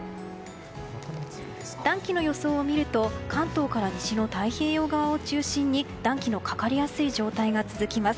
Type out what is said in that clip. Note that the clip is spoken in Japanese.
暖気の予想を見ると関東から西の太平洋側を中心に暖気のかかりやすい状態が続きます。